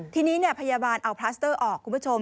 ทีนี้พยาบาลเอาพลัสเตอร์ออกคุณผู้ชม